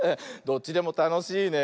どっちでもたのしいね。